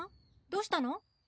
どうしたの？